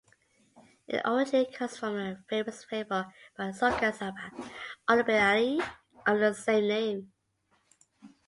It originally comes from a famous fable by Sulkhan-Saba Orbeliani of the same name.